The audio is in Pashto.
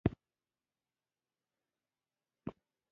طبیعت یې خود بخوده باله،